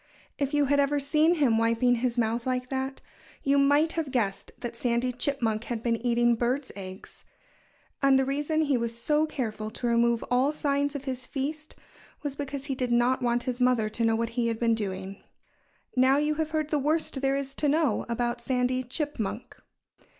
If you had ever seen him wiping his mouth like that, you might have guessed that Sandy Chipmunk had been eating birds' eggs. And the reason he was so careful to remove all signs of his feast was because he did not want his mother to know what he had been doing. Now you have heard the worst there is to know about Sandy Chipmunk.